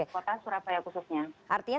kota surabaya khususnya